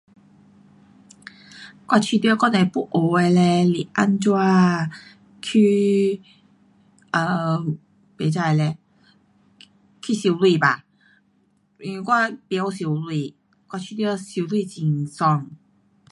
我觉得我都要学的嘞是怎样去 um 不知嘞，去游泳吧。因为我不晓游泳。我觉得游泳很爽。